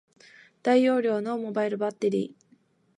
大容量のモバイルバッテリー